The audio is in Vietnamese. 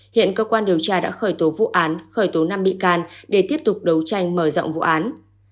hiện cơ quan điều tra đã khởi tố vụ án khởi tố năm bị can để tiếp tục đấu tranh mở rộng vụ án